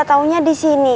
taunya di sini